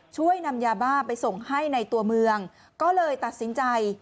ช่วยนำยาบ้าไปส่งให้ในตัวเมืองก็เลยตัดสินใจ